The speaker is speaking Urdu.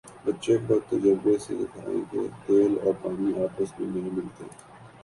بچے کو تجربے سے سکھائیں کہ تیل اور پانی آپس میں نہیں ملتے